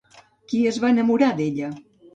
Qui es va enamorar d'ella?